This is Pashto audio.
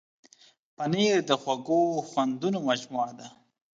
پنېر د خوږو خوندونو مجموعه ده.